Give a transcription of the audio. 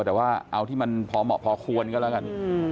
แต่ว่าเอาที่มันพอเหมาะพอควรก็แล้วกัน